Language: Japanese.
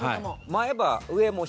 前歯上も下も。